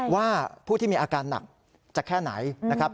ว่าผู้ที่มีอาการหนักจะแค่ไหนนะครับ